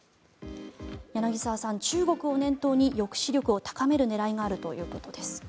柳澤さん、中国を念頭に抑止力を高める狙いがあるということです。